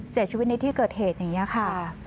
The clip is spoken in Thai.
เสียชีวิตในที่เกิดเหตุอย่างนี้ค่ะ